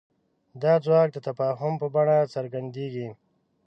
دا ځواک د تفاهم په بڼه څرګندېږي.